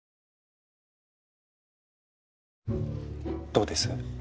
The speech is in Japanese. どうです？